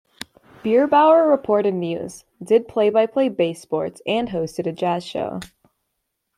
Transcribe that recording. Bierbauer reported news, did play-by-play base sports and hosted a jazz show.